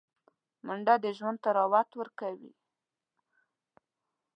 منډه د ژوند طراوت ورکوي